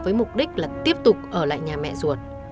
với mục đích là tiếp tục ở lại nhà mẹ ruột